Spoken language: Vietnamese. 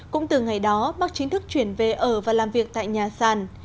cũng từ ngày đó bác chính thức chuyển về ở và làm việc tại nhà sàn